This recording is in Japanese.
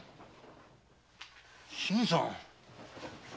新さん。